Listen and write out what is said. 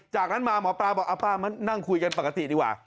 จากนั้นมาหมอปลาบอกเอาป้ามานั่งคุยกันปกติดีกว่า